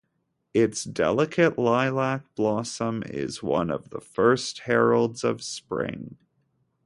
Its delicate lilac blossom is one of the first heralds of spring.